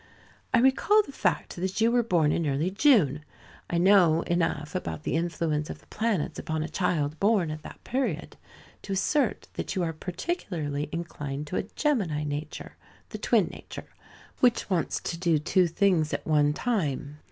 I recall the fact that you were born in early June. I know enough about the influence of the planets upon a child born at that period to assert that you are particularly inclined to a Gemini nature the twin nature, which wants to do two things at one time.